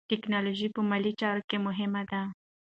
ټیکنالوژي په مالي چارو کې مهمه ده.